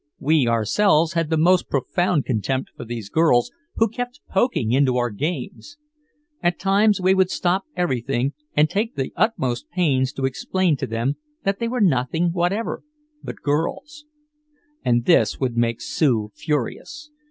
We ourselves had the most profound contempt for these girls who kept poking into our games. At times we would stop everything and take the utmost pains to explain to them that they were nothing whatever but girls. And this would make Sue furious.